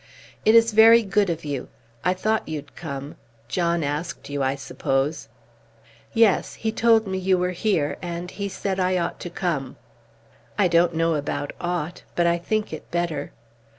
"It is very good of you. I thought you'd come. John asked you, I suppose." "Yes; he told me you were here, and he said I ought to come." "I don't know about ought, but I think it better.